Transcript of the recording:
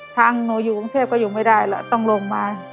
ทางหนูอยู่กรุงเทพก็อยู่ไม่ได้แล้วต้องลงมา